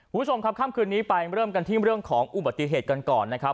คุณผู้ชมครับค่ำคืนนี้ไปเริ่มกันที่เรื่องของอุบัติเหตุกันก่อนนะครับ